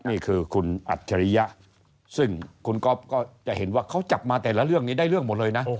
นี่คือคุณอัจฉริยะซึ่งคุณก๊อฟก็จะเห็นว่าเขาจับมาแต่ละเรื่องนี้ได้เรื่องหมดเลยนะ